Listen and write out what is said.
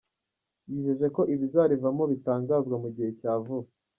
Yijeje ko ibizarivamo bitangazwa mu gihe cya vuba.